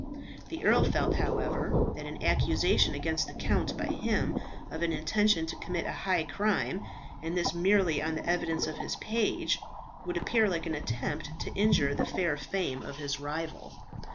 The earl felt, however, that an accusation against the count by him of an intention to commit a high crime, and this merely on the evidence of his page, would appear like an attempt to injure the fair fame of his rival.